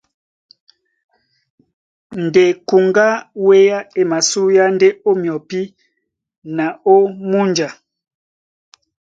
Ndé kuŋgá á wéá e masúéá ndé ó myɔpí na ó múnja mísadi.